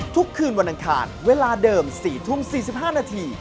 ทุกคืนวันอังคารเวลาเดิม๔ทุ่ม๔๕นาที